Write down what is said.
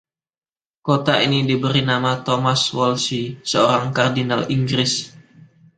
Kota ini diberi nama Thomas Wolsey, seorang kardinal Inggris.